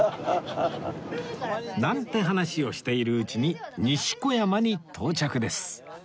なんて話をしているうちに西小山に到着です